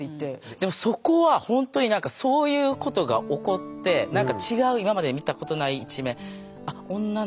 でもそこはほんとにそういうことが起こって何か違う今まで見たことない一面。